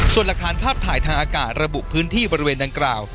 ส่วนหลักฐานภาพถ่ายทางอากาศระบุพื้นที่บริเวณดังกล่าว